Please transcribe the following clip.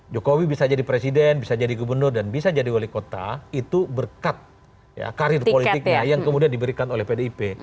jokowi bisa jadi presiden bisa jadi gubernur dan bisa jadi wali kota itu berkat karir politiknya yang kemudian diberikan oleh pdip